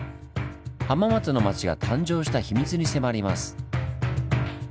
浜松の町が誕生した秘密に迫ります。